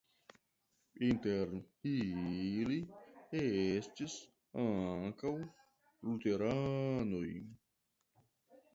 Inter ili estis ankaŭ luteranoj.